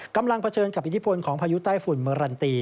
เผชิญกับอิทธิพลของพายุใต้ฝุ่นเมอรันตี